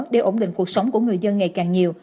để ổn định cuộc sống của người dân ngày càng nhiều